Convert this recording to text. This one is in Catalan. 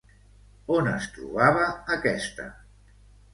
On es trobava aquesta?